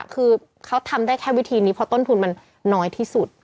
คือเขาทำได้แค่วิธีนี้เพราะต้นทุนมันน้อยที่สุด